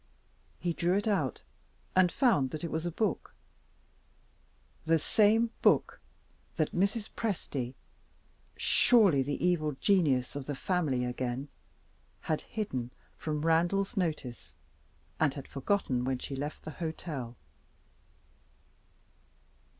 He drew it out, and found that it was a book the same book that Mrs. Presty (surely the evil genius of the family again!) had hidden from Randal's notice, and had forgotten when she left the hotel.